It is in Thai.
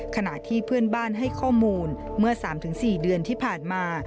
ขณะที่เพื่อนบ้านให้ข้อมูลเมื่อ๓๔เดือนที่ผ่านมา